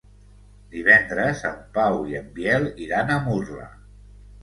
Divendres en Pau i en Biel iran a Murla.